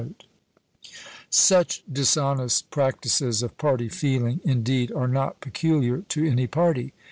Such dishonest practices of party feeling, indeed, are not peculiar to any party.